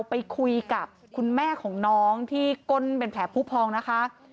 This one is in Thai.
ไปคุยกับคุณแม่ของน้องที่ก้นเป็นแผลผู้พองนะคะ